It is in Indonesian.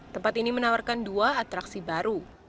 tempat ini menawarkan dua atraksi baru